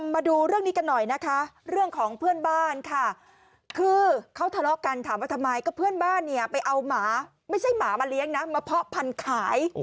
มาดูเรื่องนี้กันหน่อยนะคะเรื่องของเพื่อนบ้านค่ะคือเขาทะเลาะกันถามว่าทำไมก็เพื่อนบ้านเนี่ยไปเอาหมาไม่ใช่หมามาเลี้ยงนะมาเพาะพันธุ์ขาย